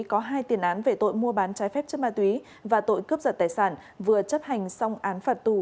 có hai tiền án về tội mua bán trái phép chất ma túy và tội cướp giật tài sản vừa chấp hành xong án phạt tù